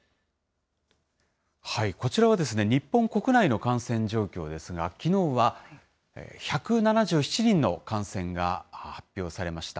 こちらは、日本国内の感染状況ですが、きのうは１７７人の感染が発表されました。